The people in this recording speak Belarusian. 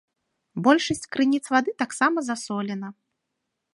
Большасць крыніц вады таксама засолена.